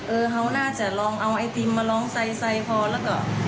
เออเขาน่าจะลองเอาไอติมมาลองไซพอแล้วก็